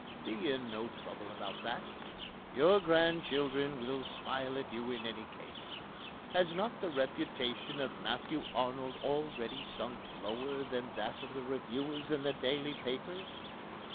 Be in no trouble about that. Your grandchildren will smile at you in any case. Has not the reputation of Matthew Arnold already sunk lower than that of the reviewers in the daily papers?